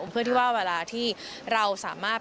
เพื่อที่ว่าเวลาที่เราสามารถ